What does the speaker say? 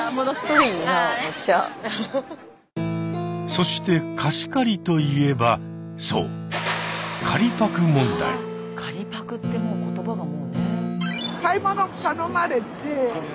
そして貸し借りといえばそうはあ借りパクってもう言葉がもうねえ。